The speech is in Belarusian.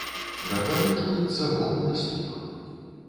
На двары чуецца гоман і стук.